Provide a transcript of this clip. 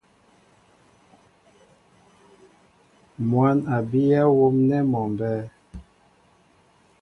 Mwǎn a bíyɛ́ wóm nɛ́ mɔ mbɛ́ɛ́.